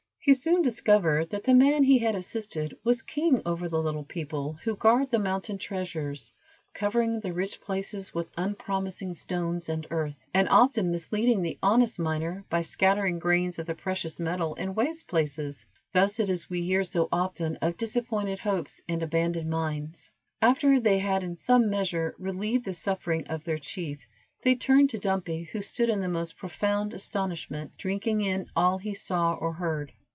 He soon discovered that the man he had assisted was king over the little people who guard the mountain treasures, covering the rich places with unpromising stones and earth, and often misleading the honest miner by scattering grains of the precious metal in waste places; thus it is we hear so often of disappointed hopes, and abandoned mines. After they had in some measure relieved the suffering of their chief, they turned to Dumpy, who stood in the most profound astonishment, drinking in all he saw or heard.